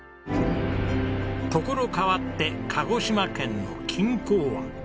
所変わって鹿児島県の錦江湾。